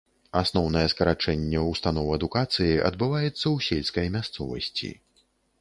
Асноўнае скарачэнне ўстаноў адукацыі адбываецца ў сельскай мясцовасці.